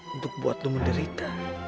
untuk buat lo menderita